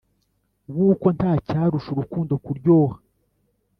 wuko ntacyarusha urukundo kuryoha."